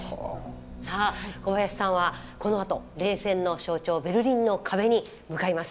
さあ小林さんはこのあと冷戦の象徴ベルリンの壁に向かいます。